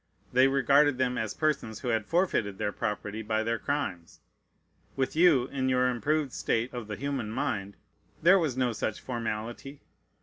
They regarded them as persons who had forfeited their property by their crimes. With you, in your improved state of the human mind, there was no such formality.